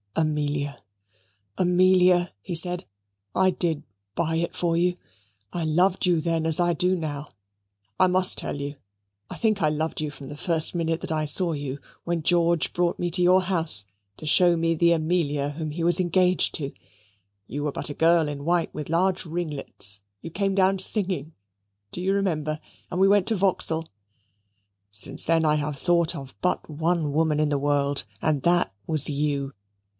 "Amelia, Amelia," he said, "I did buy it for you. I loved you then as I do now. I must tell you. I think I loved you from the first minute that I saw you, when George brought me to your house, to show me the Amelia whom he was engaged to. You were but a girl, in white, with large ringlets; you came down singing do you remember? and we went to Vauxhall. Since then I have thought of but one woman in the world, and that was you.